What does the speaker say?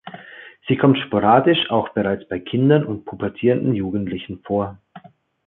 Sie kommt sporadisch auch bereits bei Kindern und pubertierenden Jugendlichen vor.